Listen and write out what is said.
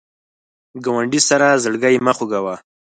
ګاونډي سره زړګی مه خوږوه